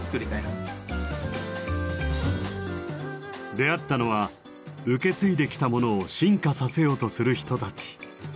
出会ったのは受け継いできたものを進化させようとする人たち。